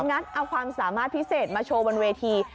งัดเอาความสามารถพิเศษมาโชว์บนเวที